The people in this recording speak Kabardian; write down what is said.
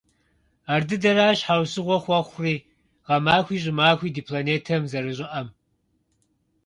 Ардыдэращ щхьэусыгъуэ хуэхъури гъэмахуи щӀымахуи ди планетэм зэрыщыӀэм.